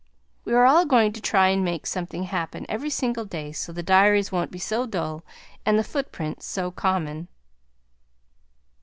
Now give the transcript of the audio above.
We are all going now to try and make something happen every single day so the diaries won't be so dull and the footprints so common.